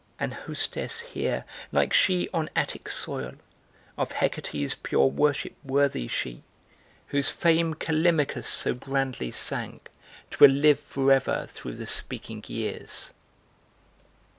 An hostess here like she on Attic soil, Of Hecate's pure worship worthy she! Whose fame Kallimachos so grandly sang 'Twill live forever through the speaking years.